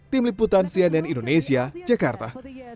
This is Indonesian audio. tim liputan cnn indonesia jakarta